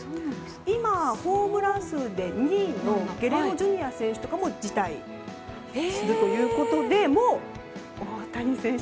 今、ホームラン数で２位のゲレロＪｒ．選手とかも辞退するということで大谷選手